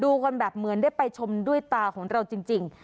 กันแบบเหมือนได้ไปชมด้วยตาของเราจริง